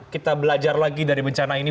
kita belajar lagi dari bencana ini